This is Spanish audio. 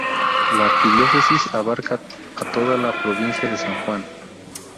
La Arquidiócesis abarca a toda la provincia de San Juan.